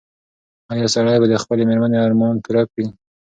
ایا سړی به د خپلې مېرمنې ارمان پوره کړي؟